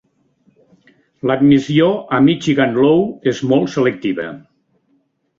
L'admissió a Michigan Law és molt selectiva.